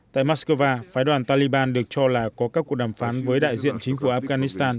tại moscow phái đoàn taliban được cho là có các cuộc đàm phán với đại diện chính phủ afghanistan